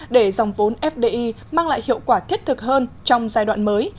để dòng vốn fdi mang lại hiệu quả thiết thực hơn trong giai đoạn mới